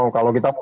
kalau kita mau